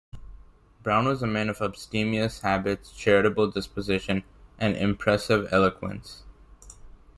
Browne was a man of abstemious habits, charitable disposition, and impressive eloquence.